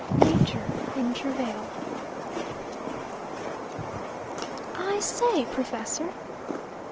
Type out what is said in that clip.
NATURE IN TRAVAIL. "I say, professor?"